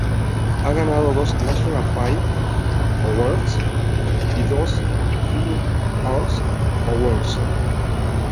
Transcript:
Ha ganado dos National Film Awards y dos Filmfare Awards.